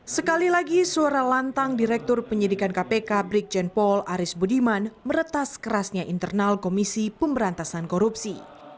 sekali lagi suara lantang direktur penyidikan kpk brigjen paul aris budiman meretas kerasnya internal komisi pemberantasan korupsi